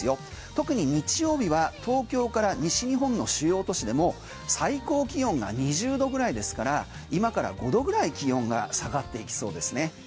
特に日曜日は東京から西日本の主要都市でも最高気温が２０度ぐらいですから今から５度ぐらい気温が下がっていきそうですね。